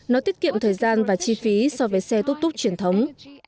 nó tiết kiệm thời gian và chi phí so với xe túc túc truyền thống